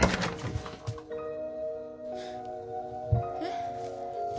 えっ？